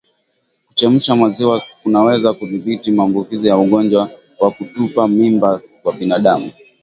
Kuchemsha maziwa kunaweza kudhibiti maambukizi ya ugonjwa wa kutupa mimba kwa binadamu